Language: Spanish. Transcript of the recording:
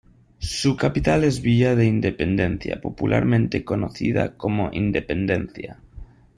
Su capital es Villa de Independencia, popularmente conocida como "Independencia".